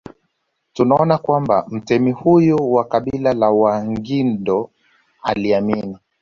Tunaona kwamba mtemi huyu wa kabila la Wangindo aliamini